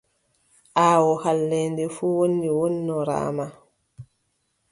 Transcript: Aawoo halleende fuu woni wonnoraamaa.